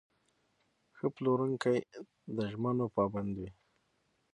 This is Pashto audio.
ښه پلورونکی د ژمنو پابند وي.